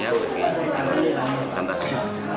jadi dia dapat tambahkan